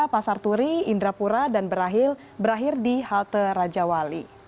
pasarturi indrapura dan berakhir berakhir di halte rajawali